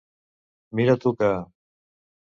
Mira tu que.